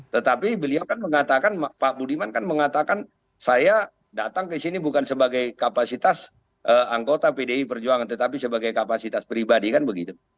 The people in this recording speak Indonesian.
tetapi beliau kan mengatakan pak budiman kan mengatakan saya datang ke sini bukan sebagai kapasitas anggota pdi perjuangan tetapi sebagai kapasitas pribadi kan begitu